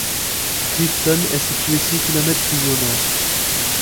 Clifton est situé six kilomètres plus au nord.